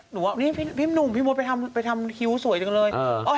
บอกว่านี่พี่หนุ่มพี่มดไปทำคิ้วสวยจังเลย